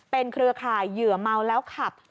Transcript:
เครือข่ายเหยื่อเมาแล้วขับ